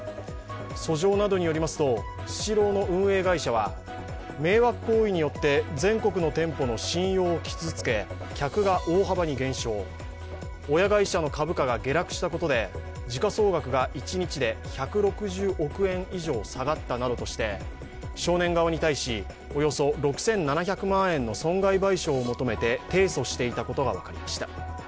訴状などによりますとスシローの運営会社は迷惑行為によって全国の店舗の信用を傷つけ客が大幅に減少、親会社の株価が下落したことで、時価総額が一日で１６０億円以上下がったなどとして少年側に対し、およそ６７００万円の損害賠償を求めて提訴していたことが分かりました。